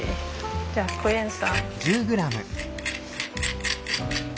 じゃあクエン酸。